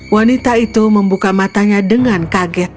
wanita itu membuka matanya dengan kaget